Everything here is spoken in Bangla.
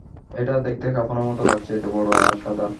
এটা দেখতে কাফনের মতো লাগছে, এতো বড় আর সাদা।